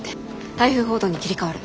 台風報道に切り替わる。